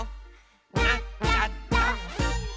「なっちゃった！」